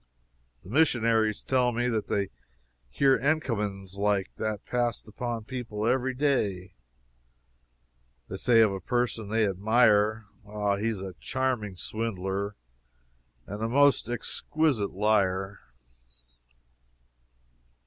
The Missionaries tell me that they hear encomiums like that passed upon people every day. They say of a person they admire, "Ah, he is a charming swindler, and a most exquisite liar!"